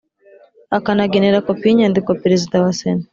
Akanagenera kopi y inyandiko perezida wa sena